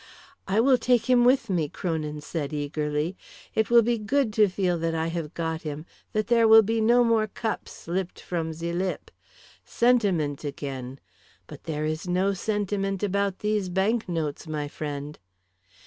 "I will take him with me." Kronin said eagerly. "It will be good to feel that I have got him, that there will be no more cups slipped from ze lip. Sentiment again! But there is no sentiment about these banknotes, my friend."